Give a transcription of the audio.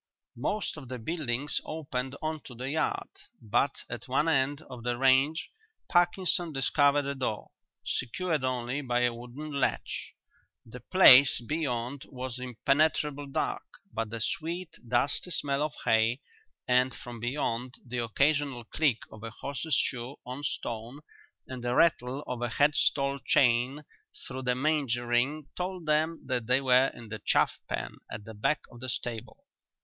Most of the buildings opened on to the yard, but at one end of the range Parkinson discovered a door, secured only by a wooden latch. The place beyond was impenetrably dark, but the sweet, dusty smell of hay, and, from beyond, the occasional click of a horse's shoe on stone and the rattle of a head stall chain through the manger ring told them that they were in the chaff pen at the back of the stable.